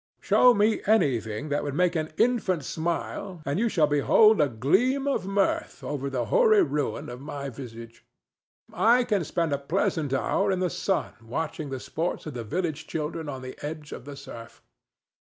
Show me anything that would make an infant smile, and you shall behold a gleam of mirth over the hoary ruin of my visage. I can spend a pleasant hour in the sun watching the sports of the village children on the edge of the surf.